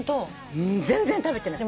全然食べてない。